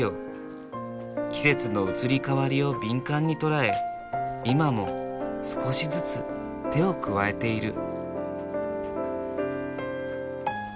季節の移り変わりを敏感に捉え今も少しずつ手を加えている。